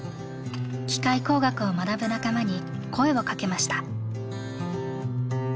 機械工学を学ぶ仲間に声をかけました。